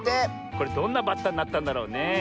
これどんなバッタになったんだろうね。